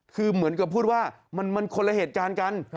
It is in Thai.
คือเหมือนกับพูดว่ามันคนละเหตุการณ์กัน